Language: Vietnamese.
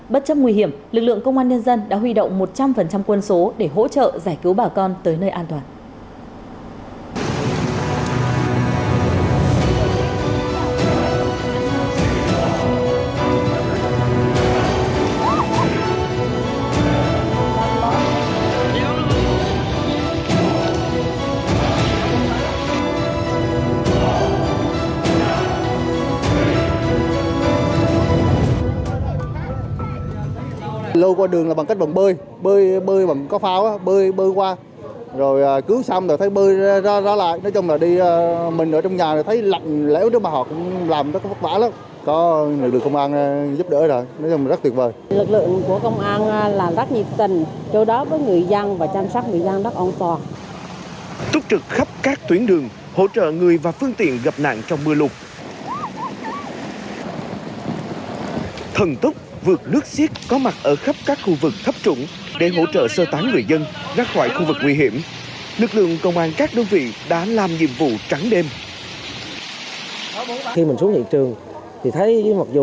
bất chấp nguy hiểm lực lượng công an nhân dân đã huy động một trăm linh quân số để hỗ trợ giải cứu bà con tới nơi an toàn